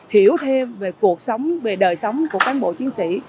hiểu thêm về cuộc sống về đời sống của cán bộ chiến sĩ